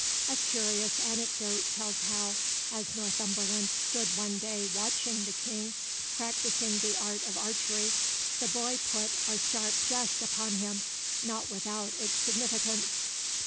A curious anecdote tells how, as Northumberland stood one day watching the King practising the art of archery, the boy put a "sharp jest" upon him, not without its significance.